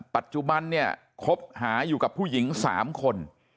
ปัจจุบันเนี่ยคบหาอยู่กับผู้หญิง๓คน